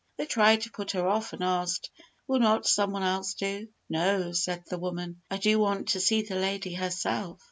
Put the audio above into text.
They tried to put her off, and asked, "Will not someone else do?" "No," said the woman; "I do want to see the lady herself."